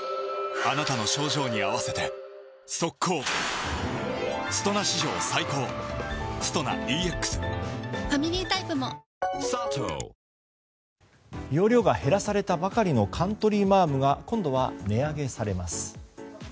乳酸菌が一時的な胃の負担をやわらげる容量が減らされたばかりのカントリーマアムが今度は値上げされます。